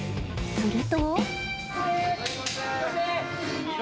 すると？